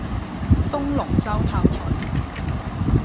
東龍洲炮台